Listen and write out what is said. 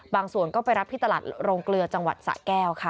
ส่วนก็ไปรับที่ตลาดโรงเกลือจังหวัดสะแก้วค่ะ